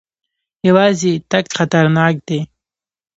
یوازې تګ خطرناک دی.